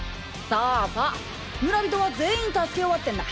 そうそう村人は全員助け終わってんだ。